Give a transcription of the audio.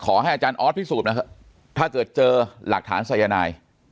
อาจารย์ออสพิสูจน์นะครับถ้าเกิดเจอหลักฐานสายนาย